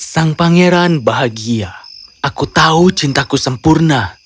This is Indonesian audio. sang pangeran bahagia aku tahu cintaku sempurna